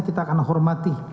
kita akan hormati